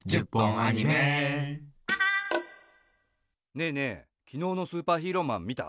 ねえねえきのうの「スーパーヒーローマン」みた？